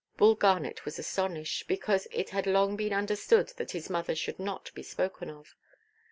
Bull Garnet was astonished; because it had long been understood that his mother should not be spoken of.